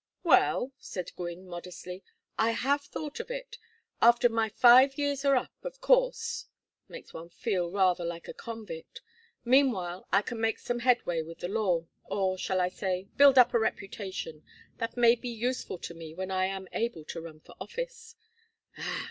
"Well," said Gwynne, modestly. "I have thought of it. After my five years are up, of course makes one feel rather like a convict. Meanwhile I can make some headway with the law: or, shall I say, build up a reputation that may be useful to me when I am able to run for office."